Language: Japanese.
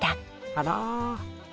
あら。